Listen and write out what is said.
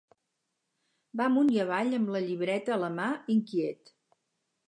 Va amunt i avall amb la llibreta a la mà, inquiet.